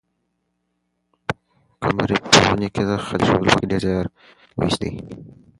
قمرۍ په ونې کې د خلي د اېښودلو په وخت کې ډېر زیار وایست.